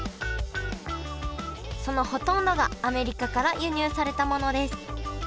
そのほとんどがアメリカから輸入されたものです